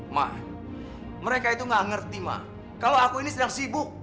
mak mereka itu gak ngerti mak kalau aku ini sedang sibuk